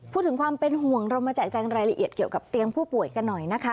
พูดถึงความเป็นห่วงเรามาแจกแจงรายละเอียดเกี่ยวกับเตียงผู้ป่วยกันหน่อยนะคะ